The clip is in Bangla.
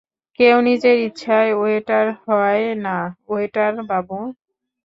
কেউ নিজের ইচ্ছায় ওয়েটার হয় না, ওয়েটার বাবু!